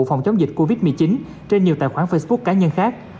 phòng chống dịch covid một mươi chín trên nhiều tài khoản facebook cá nhân khác